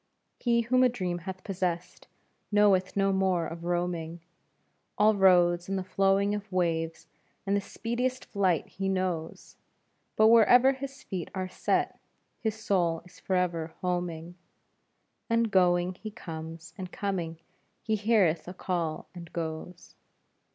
He whom a dream hath possessed knoweth no more of roaming; All roads and the flowing of waves and the speediest flight he knows, But wherever his feet are set, his soul is forever homing, And going, he comes, and coming he heareth a call and goes.